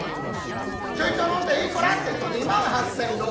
ちょいと飲んで「いくら？」ってえと「２万８，６００円」。